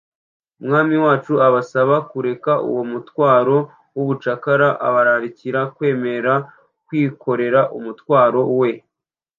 umwami wacu abasaba kureka uwo mutwaro w’ubucakara abararikira kwemera kwikorera umutwaro we